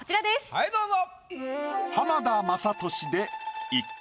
はいどうぞ。